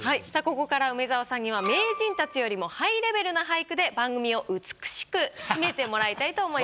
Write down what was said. ここから梅沢さんには名人たちよりもハイレベルな俳句で番組を美しく締めてもらいたいと思います。